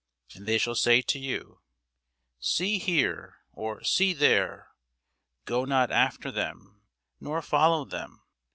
And they shall say to you, See here; or, see there: go not after them, nor follow them.